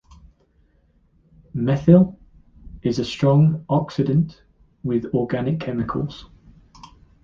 Methyl is a strong oxidant with organic chemicals.